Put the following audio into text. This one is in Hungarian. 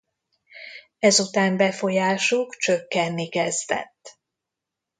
Ezután befolyásuk csökkenni kezdett.